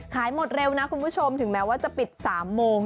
หมดเร็วนะคุณผู้ชมถึงแม้ว่าจะปิด๓โมง